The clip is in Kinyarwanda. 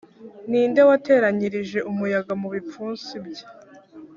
ni nde wateranyirije umuyaga mu bipfunsi bye’